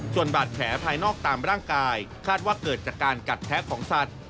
ส่วนบาดแผลภายนอกตามร่างกายคาดว่าเกิดจากการกัดแท้ของสัตว์